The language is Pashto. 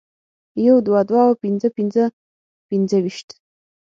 يو دوه دوه او پنځه پنځه پنځویشت